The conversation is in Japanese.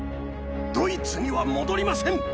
ドイツには戻りません！